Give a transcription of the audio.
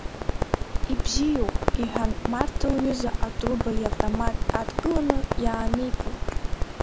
Ибзиоуп, — иҳәан Марҭа лҩыза атруба иавтомат адкыланы иааникылт.